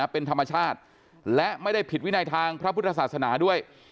เป็นธรรมชาติและไม่ได้ผิดวินัยทางพระพุทธศาสนาด้วย